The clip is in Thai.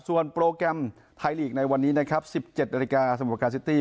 ส่วนโปรแกรมไทยลีกในวันนี้นะครับ๑๗นาฬิกาสมุทรกาซิตี้